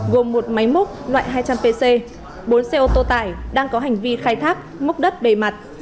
gồm một máy múc loại hai trăm linh pc bốn xe ô tô tải đang có hành vi khai thác múc đất bề mặt